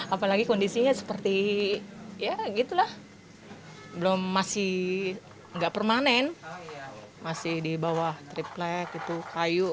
apalagi kondisinya seperti ya gitu lah belum masih nggak permanen masih di bawah triplek gitu kayu